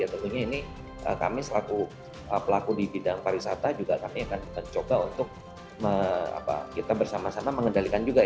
tentunya ini kami selaku pelaku di bidang pariwisata juga kami akan coba untuk kita bersama sama mengendalikan juga